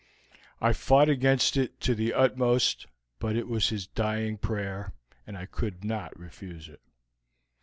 I fought against it to the utmost, but it was his dying prayer, and I could not refuse it.